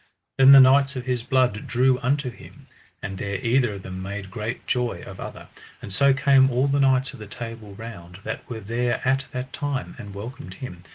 Then the knights of his blood drew unto him, and there either of them made great joy of other. And so came all the knights of the Table Round that were there at that time, and welcomed him.